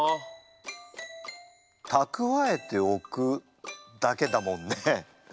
たくわえておくだけだもんね。